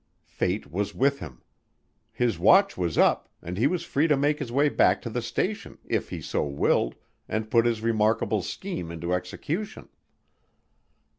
Fate was with him. His watch was up, and he was free to make his way back to the station, if he so willed, and put his remarkable scheme into execution.